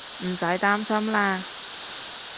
唔使擔心喇